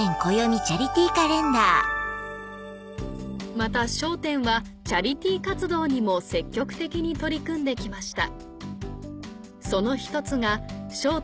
また『笑点』はチャリティー活動にも積極的に取り組んで来ました